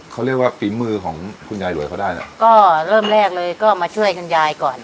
เขาเรียกว่าฝีมือของคุณยายหลวยเขาได้เนี่ยก็เริ่มแรกเลยก็มาช่วยคุณยายก่อน